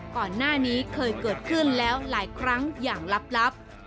ก่อนหน้านี้เคยเกิดขึ้นแล้วหลายครั้งอย่างลับ